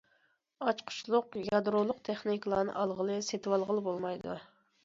ئاچقۇچلۇق، يادرولۇق تېخنىكىلارنى ئالغىلى، سېتىۋالغىلى بولمايدۇ.